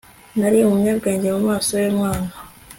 nari umunyabwenge mumaso y'umwana